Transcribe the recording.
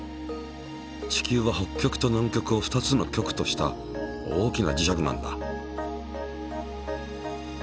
地球は北極と南極を２つの極とした大きな磁石なんだ。